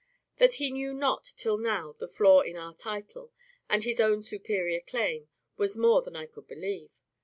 That he knew not till now the flaw in our title, and his own superior claim, was more than I could believe.